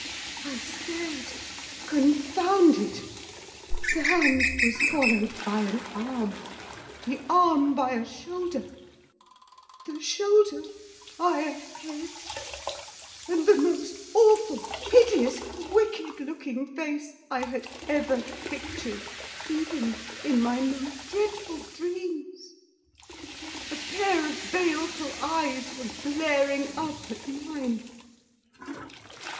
I stared, confounded. The hand was followed by an arm; the arm by a shoulder; the shoulder by a head, and the most awful, hideous, wicked looking face I had ever pictured even in my most dreadful dreams. A pair of baleful eyes were glaring up at mine.